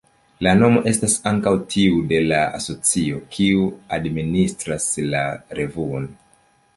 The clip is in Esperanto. La nomo estas ankaŭ tiu de la asocio, kiu administras la revuon.